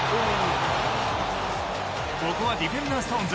ここはディフェンダーストーンズ